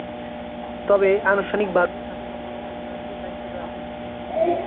তবে, আনুষ্ঠানিকভাবে তাকে কখনো অধিনায়কের দায়িত্ব দেয়া হয়নি।